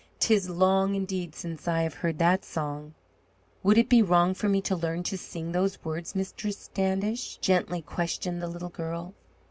"'Tis long, indeed, since I have heard that song." "Would it be wrong for me to learn to sing those words, Mistress Standish?" gently questioned the little girl.